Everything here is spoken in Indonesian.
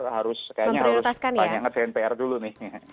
harus kayaknya harus panjang ke cnpr dulu nih